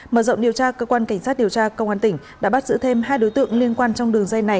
mở rộng điều tra cơ quan cảnh sát điều tra công an tỉnh đã bắt giữ thêm hai đối tượng liên quan trong đường dây này